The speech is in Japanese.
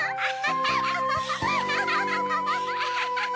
アハハハ！